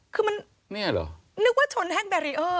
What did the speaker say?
คือมันเนี่ยเหรอนึกว่าชนแท่งแบรีเออร์